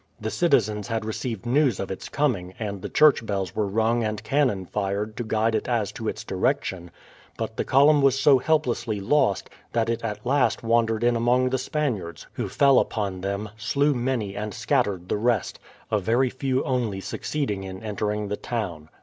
The citizens had received news of its coming, and the church bells were rung and cannon fired to guide it as to its direction; but the column was so helplessly lost, that it at last wandered in among the Spaniards, who fell upon them, slew many and scattered the rest a very few only succeeding in entering the town.